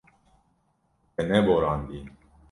Te neborandiye.